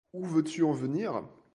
Où veux-tu en venir ?